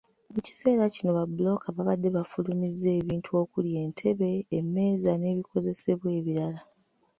Mu kiseera kino babbulooka baabadde bafulumizza ebintu okuli entebe, emmeeza n’ebikozesebwa ebirala.